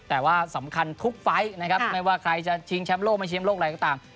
แต่ว่าสำคัญทุกไฟล์นะครับไม่ว่าใครจะชิงแชมป์โลกไม่แชมป์โลกอะไรก็ตาม